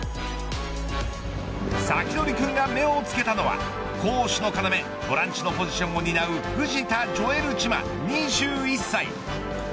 サキドリくんが目をつけたのは攻守の要ボランチのポジションを担う藤田譲瑠チマ、２１歳。